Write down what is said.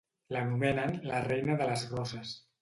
L'anomenen "La Reina de les Roses".